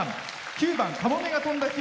９番「かもめが翔んだ日」